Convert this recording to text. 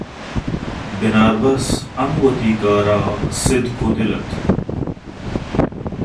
بناربس ہم وتی کار ءَسِدک ءُدل اَت